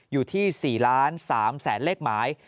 อยู่ที่๔๓ล้านเล็กหมาย